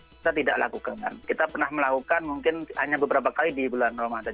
kita tidak lakukan kan kita pernah melakukan mungkin hanya beberapa kali di bulan ramadan